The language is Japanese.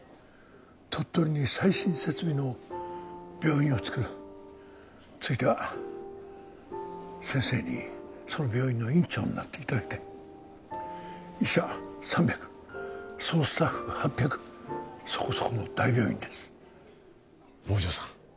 鳥取に最新設備の病院をつくるついては先生にその病院の院長になっていただきたい医者３００総スタッフ８００そこそこの大病院です坊城さん